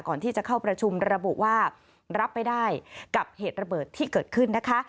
ก่อนที่จะเข้าประชุมระบุว่ารับไม่ได้กับเหตุระเบิดที่เกิดขึ้นนะคะ